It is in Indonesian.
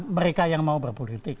mereka yang mau berpolitik